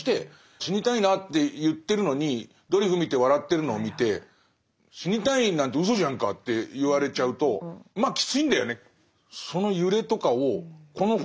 「死にたいな」って言ってるのにドリフ見て笑ってるのを見て「死にたいなんてうそじゃんか」って言われちゃうとまあきついんだよね。